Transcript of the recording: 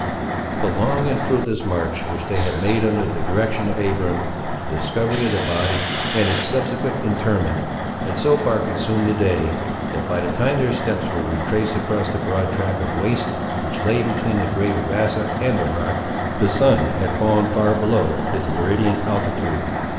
The long and fruitless march which they had made under the direction of Abiram, the discovery of the body, and its subsequent interment, had so far consumed the day, that by the time their steps were retraced across the broad track of waste which lay between the grave of Asa and the rock, the sun had fallen far below his meridian altitude.